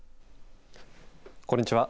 こんにちは。